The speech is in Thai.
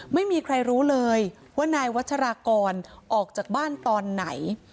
ไม่มีใครรู้เลยว่านายวัชรากรออกจากบ้านตอนไหน